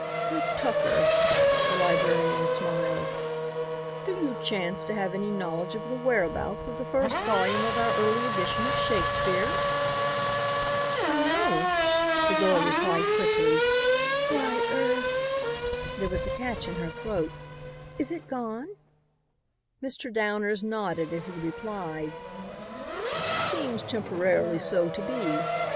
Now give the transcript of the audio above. "Miss Tucker," the librarian smiled, "do you chance to have any knowledge of the whereabouts of the first volume of our early edition of Shakespeare?" "Why, no," the girl replied quickly. "Why er" there was a catch in her throat "is it gone?" Mr. Downers nodded as he replied: "Seems temporarily so to be.